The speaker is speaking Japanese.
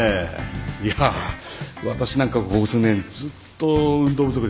いや私なんかここ数年ずっと運動不足ですからね。